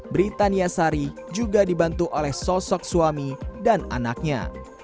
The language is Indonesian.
britania sari juga dibantu oleh sosok suami dan anaknya